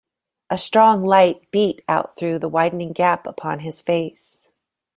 A strong light beat out through the widening gap upon his face.